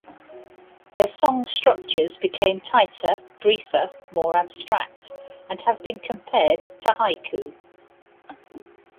Their song structures became tighter, briefer, more abstract, and have been compared to haiku.